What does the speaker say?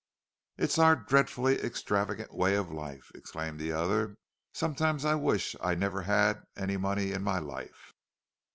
"It's our dreadfully extravagant way of life," exclaimed the other. "Sometimes I wish I had never had any money in my life."